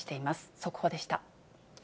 速報でした。